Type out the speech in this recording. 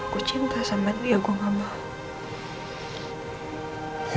aku cinta sama dia gue gak mau